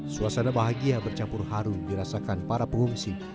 suasana bahagia bercampur haru dirasakan para pengungsi